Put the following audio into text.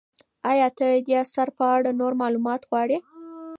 ایا ته د دې اثر په اړه نور معلومات غواړې؟